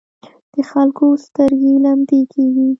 د خلکو سترګې لمدې کېږي.